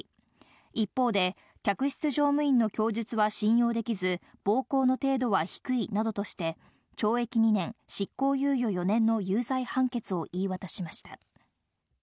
一方で客室乗務員の供述は信用できず、暴行の程度は低いなどとして、懲役２年、執行猶予４年の有罪判決を言い渡しました。